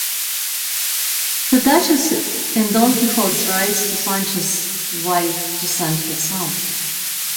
The duchess in Don Quixote writes to Sancho's wife to send her some.